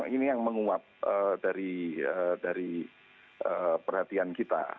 ini yang menguap dari perhatian kita